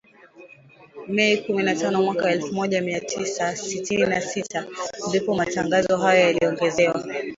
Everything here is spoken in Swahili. Mei kumi na tano mwaka elfu moja mia tisa sitini na sita ndipo matangazo hayo yaliongezewa